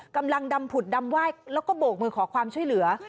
กำลังดำผุดดำไหว้แล้วก็โบกมือขอความช่วยเหลือ